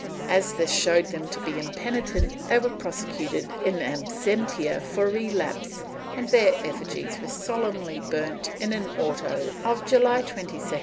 As this showed them to be impenitent, they were prosecuted in absentia for relapse, and their effigies were solemnly burnt in an auto of July 22, 1587.